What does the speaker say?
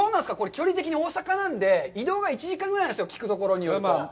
距離的に、大阪なんで、移動が１時間ぐらいなんですよ、聞くところによると。